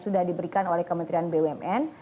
sudah diberikan oleh kementerian bumn